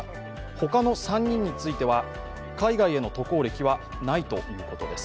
他の３人については海外への渡航歴はないということです。